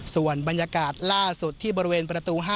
ส่วนบรรยากาศล่าสุดที่บริเวณประตู๕